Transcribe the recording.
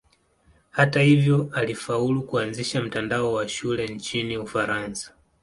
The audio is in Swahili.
Hata hivyo alifaulu kuanzisha mtandao wa shule nchini Ufaransa.